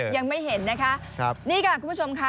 ยังไม่เห็นนะคะนี่ค่ะคุณผู้ชมค่ะ